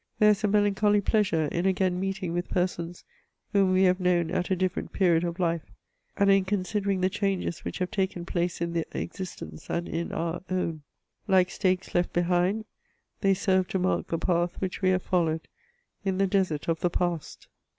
There is a melancholy pleasure in again meeting with persons whom we have known at a different period of life, and in considering the changes which have taken place in their existence and in our own. Like stakes left behind, they serve to mark the path which we have followed in the desert of the past.